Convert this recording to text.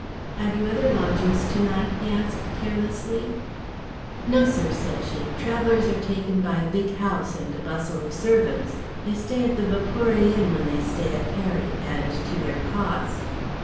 "Have you other lodgers to night?" he asked carelessly. "No, sir," said she. "Travellers are taken by a big house and a bustle of servants. They stay at the Vapore Inn when they stay at Peri, and to their cost."